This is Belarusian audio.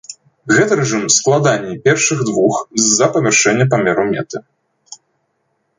Гэты рэжым складаней першых двух з-за памяншэння памеру мэты.